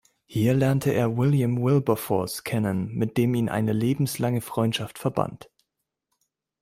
Hier lernte er William Wilberforce kennen, mit dem ihn eine lebenslange Freundschaft verband.